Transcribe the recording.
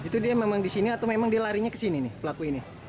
itu dia memang disini atau memang dia larinya kesini nih pelaku ini